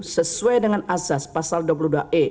sesuai dengan asas pasal dua puluh dua e